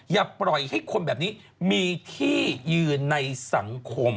อย่าปล่อยให้คนแบบนี้มีที่ยืนในสังคม